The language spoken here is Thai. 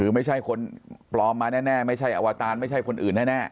ไม่ใช่คนปลอมมาแน่ไม่ใช่อวตารไม่ใช่คนอื่นแน่